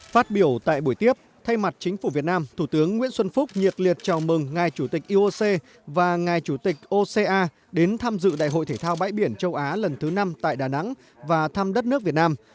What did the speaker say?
phát biểu tại buổi tiếp thay mặt chính phủ việt nam thủ tướng nguyễn xuân phúc nhiệt liệt chào mừng ngài chủ tịch ioc và ngài chủ tịch oca đến tham dự đại hội thể thao bãi biển châu á lần thứ năm tại đà nẵng và thăm đất nước việt nam